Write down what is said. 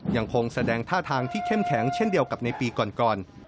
ยังคงแสดงท่าทางที่เข้มแข็งเช่นเดียวกับในปีก่อน